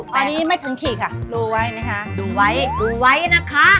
์ก็ไม่ถึงคิดค่ะรู้ไว้นะคะดูไว้ดูไว้นะคะ